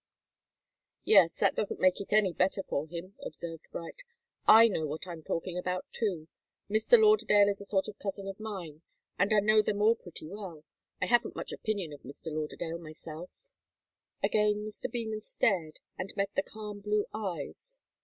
"Yes. That doesn't make it any better for him," observed Bright. "I know what I'm talking about, too. Mr. Lauderdale is a sort of cousin of mine, and I know them all pretty well. I haven't much opinion of Mr. Lauderdale, myself." Again Mr. Beman stared and met the calm blue eyes.